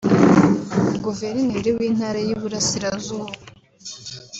Guverineri w’Intara y’i Burasirazuba